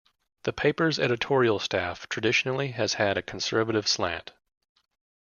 The paper's editorial staff traditionally has had a conservative slant.